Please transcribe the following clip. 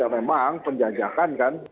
memang penjajakan kan